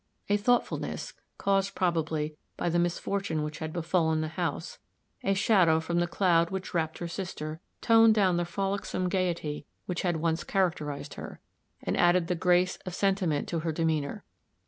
A thoughtfulness, caused, probably, by the misfortune which had befallen the house a shadow from the cloud which wrapped her sister toned down the frolicsome gayety which had once characterized her, and added the grace of sentiment to her demeanor.